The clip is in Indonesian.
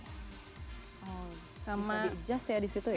bisa di adjust ya di situ ya